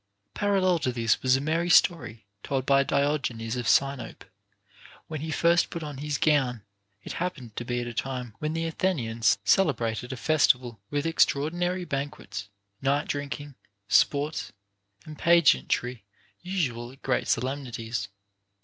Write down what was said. Parallel to this is a merry story told of Diogenes of Sinope ; when he first put on his gown, it happened to be at a time when the Athenians celebrated a festival with extraordinary banquets, night drinking, sports, and pageantry usual at great solemnities.